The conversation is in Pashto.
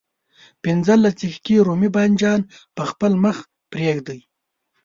پنځلس دقيقې رومي بانجان په خپل مخ پرېږدئ.